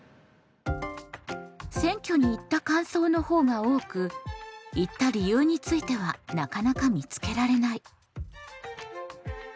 選挙に行った感想のほうが多く行った理由についてはなかなか見つけられない。